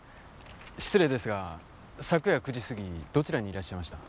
失礼ですが昨夜９時過ぎどちらにいらっしゃいましたか？